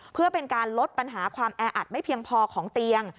เพื่อเป็นการลดปัญหาความแออัดไม่เพียงพอของเตียง